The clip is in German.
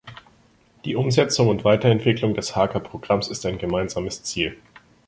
Die Umsetzung und Weiterentwicklung des Haager Programms ist ein gemeinsames Ziel.